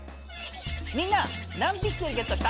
みんな何ピクセルゲットした？